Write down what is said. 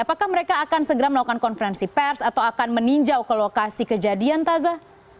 apakah mereka akan segera melakukan konferensi pers atau akan meninjau ke lokasi kejadian taza